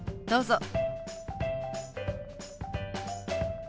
どうぞ。